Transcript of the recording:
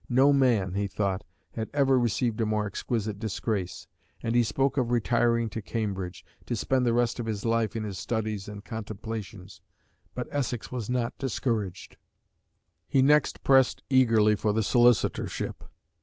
"No man," he thought, "had ever received a more exquisite disgrace," and he spoke of retiring to Cambridge "to spend the rest of his life in his studies and contemplations." But Essex was not discouraged. He next pressed eagerly for the Solicitorship.